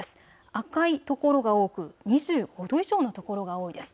赤い所が多く２５度以上の所が多いです。